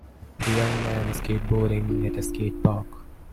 The young man is skateboarding at a skate park.